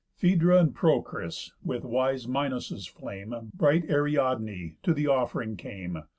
Phædra and Procris, with wise Minos' flame, Bright Ariadne, to the off'ring came.